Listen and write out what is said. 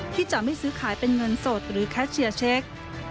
ที่จะไม่ซื้อขายเป็นเงินสดหรือแคชเชียร์เช็ค